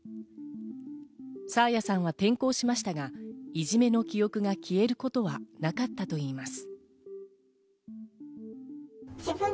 爽彩さんは転校しましたが、いじめの記憶が消えることはなかったといいます。